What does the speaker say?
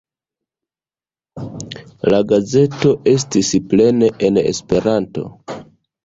La gazeto estis plene en Esperanto.